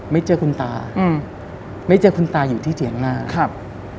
ไม่เจอคุณตาอืมไม่เจอคุณตาอยู่ที่เถียงหน้าครับ